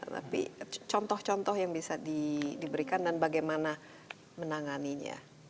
tapi contoh contoh yang bisa diberikan dan bagaimana menanganinya